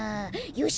よし！